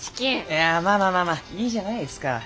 いやまあまあまあまあいいじゃないですか。